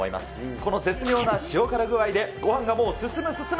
この絶妙な塩辛具合で、ごはんがもう進む進む！